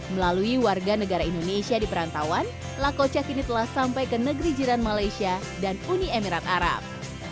melalui warga negara indonesia di perantauan lakoca kini telah sampai ke negeri jiran malaysia dan uni emirat arab